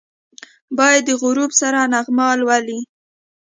باد د غروب سره نغمه لولي